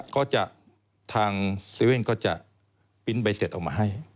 ก็จะทาง๗๑๑ก็จะปริ้นต์ใบเสร็จออกมาให้